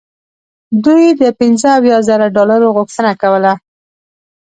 دوی د پنځه اویا زره ډالرو غوښتنه کوله.